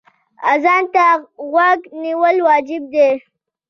اذان ته غوږ نیول واجب دی.